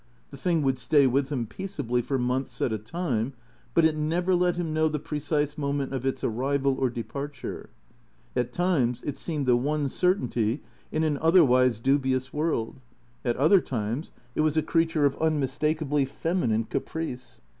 The thing would stay with him peaceably for months at a time; but it never let him know the precise moment of its arrival or departure. At times it seemed the one certainty in an otherwise dubious world, at other times it was a creature of unmistakably feminine caprice.